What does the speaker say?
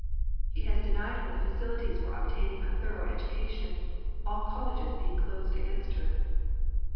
He has denied her the facilities for obtaining a thorough education, all colleges being closed against her.